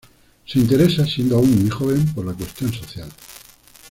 Se interesa, siendo aún muy joven, por la cuestión social.